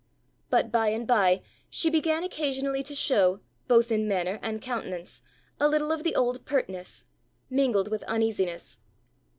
But by and by she began occasionally to show, both in manner and countenance, a little of the old pertness, mingled with uneasiness.